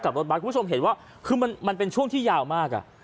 รถบัตรคุณผู้ชมเห็นว่าคือมันเป็นช่วงที่ยาวมากอ่ะ